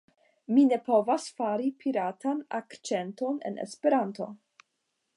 Mi ne povas fari piratan akĉenton en Esperanto